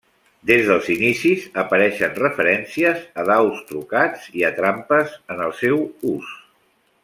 Des dels inicis apareixen referències a daus trucats i a trampes en el seu ús.